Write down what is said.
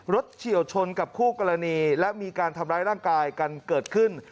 เฉียวชนกับคู่กรณีและมีการทำร้ายร่างกายกันเกิดขึ้น